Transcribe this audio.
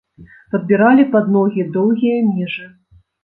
Падбіралі пад ногі доўгія межы.